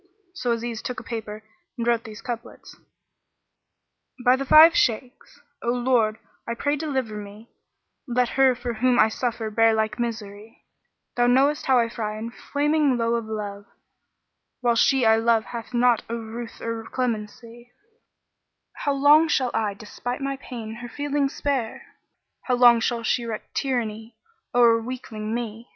So Aziz took a paper and wrote these couplets, "By the Five Shaykhs,[FN#38] O Lord, I pray deliver me; * Let her for whom I suffer bear like misery: Thou knowest how I fry in flaming lowe of love, * While she I love hath naught of ruth or clemency: How long shall I, despite my pain, her feelings spare? * How long shall she wreak tyranny o'er weakling me?